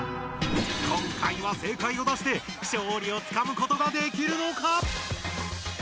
今回は正解を出して勝利をつかむことができるのか！？